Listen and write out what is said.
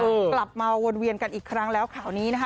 กลับมาวนเวียนกันอีกครั้งแล้วข่าวนี้นะคะ